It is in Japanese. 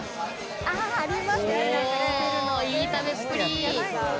いい食べっぷり！